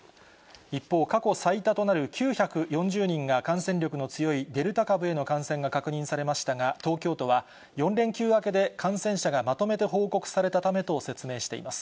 一方、過去最多となる９４０人が感染力の強いデルタ株への感染が確認されましたが、東京都は、４連休明けで感染者がまとめて報告されたためと説明しています。